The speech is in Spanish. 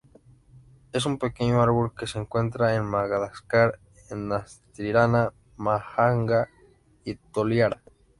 Es un pequeño árbol que se encuentra en Madagascar en Antsiranana, Mahajanga y Toliara.